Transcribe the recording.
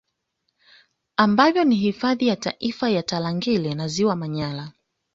Ambavyo ni Hifadhi ya Taifa ya Tarangire na Ziwa Manyara